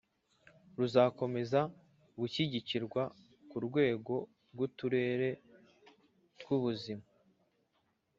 ruzakomeza gushyigikirwa ku rwego rw'uturere tw'ubuzima.